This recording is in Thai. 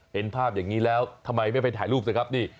เห็นภาพอย่างนี้แล้วทำไมไม่ไปถ่ายรูปสิครับนี่